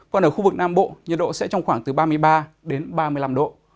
còn ở khu vực nam bộ nhiệt độ sẽ trong khoảng từ ba mươi ba đến ba mươi năm độ